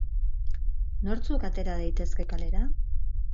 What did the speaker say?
Nortzuk atera daitezke kalera?